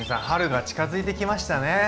春が近づいてきましたね。